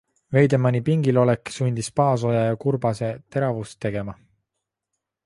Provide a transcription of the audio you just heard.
Veidemani pingilolek sundis Paasoja ja Kurbase teravust tegema.